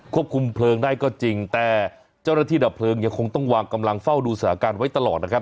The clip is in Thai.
ควบคุมเพลิงได้ก็จริงแต่เจ้าหน้าที่ดับเพลิงยังคงต้องวางกำลังเฝ้าดูสถานการณ์ไว้ตลอดนะครับ